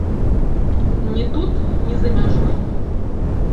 Ні тут, ні за мяжой.